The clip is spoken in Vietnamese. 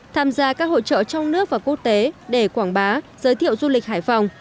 tham gia các hỗ trợ trong nước và quốc tế để quảng bá giới thiệu du lịch hải phòng